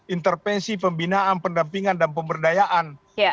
intervensi pembinaan pendampingan dan pemberdayaan